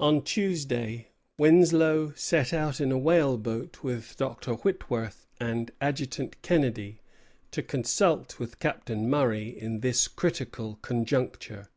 On Tuesday Winslow "set out in a whale boat with Dr. Whitworth and Adjutant Kennedy, to consult with Captain Murray in this critical conjuncture."